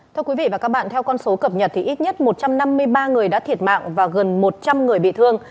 thưa quý vị và các bạn theo con số cập nhật thì ít nhất một trăm năm mươi ba người đã thiệt mạng và gần một trăm linh người bị thương